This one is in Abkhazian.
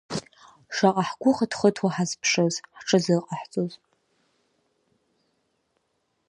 Шаҟа ҳгәы хыҭ-хыҭуа ҳазԥшыз, ҳҽазыҟаҳҵоз…